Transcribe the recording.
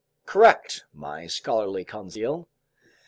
"Correct, my scholarly Conseil.